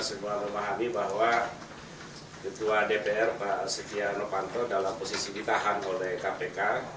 karena kita semua memahami bahwa ketua dpr pak setia novanto dalam posisi ditahan oleh kpk